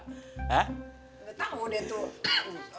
gak tau deh tuh